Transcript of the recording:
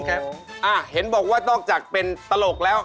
คนที่บอกว่าตกจากเป็นตลกแล้ว